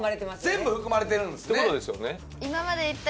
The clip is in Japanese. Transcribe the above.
全部含まれてるんすね。